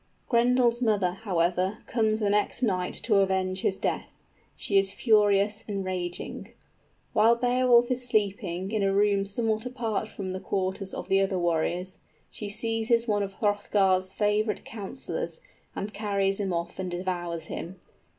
_ _Grendel's mother, however, comes the next night to avenge his death. She is furious and raging. While Beowulf is sleeping in a room somewhat apart [x] from the quarters of the other warriors, she seizes one of Hrothgar's favorite counsellors, and carries him off and devours him.